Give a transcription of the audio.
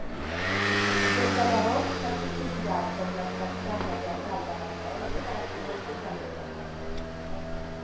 Des de llavors s’ha consolidat com l'espectacle teatral de referència de les comarques de l'Ebre.